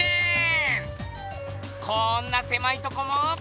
こんなせまいとこも。